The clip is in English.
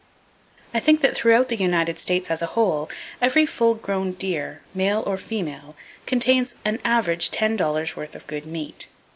I think that throughout the United States as a whole every full grown deer, male or female contains on an average ten dollars worth of good meat.